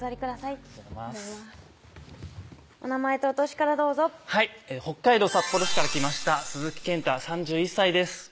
ありがとうございますお名前とお歳からどうぞはい北海道札幌市から来ました鈴木健大３１歳です